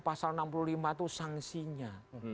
pasal enam puluh lima itu sanksinya